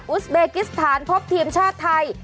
สเบกิสถานพบทีมชาติไทย